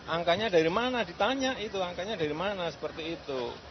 angkanya dari mana ditanya itu angkanya dari mana seperti itu